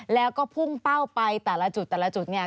แล้วก็พุ่งเป้าไปแต่ละจุดนี่